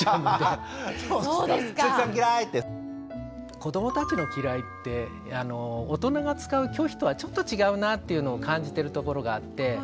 子どもたちの「嫌い」って大人が使う拒否とはちょっと違うなっていうのを感じてるところがあって。